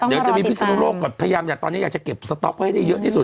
เดี๋ยวจะมีพิศนุโลกก่อนพยายามอยากตอนนี้อยากจะเก็บสต๊อกไว้ได้เยอะที่สุด